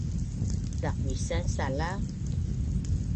Daqvisan sala?